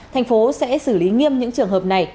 thành phố sẽ xử lý nghiêm những trường hợp này